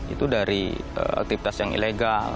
itu dari aktivitas yang ilegal